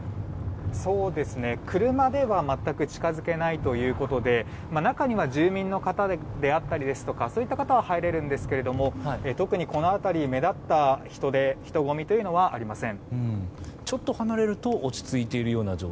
車では全く近づけないということで中には住民の方であったりですとかそういった方は入れるんですが特にこの辺り、目立った人混みというのはありません。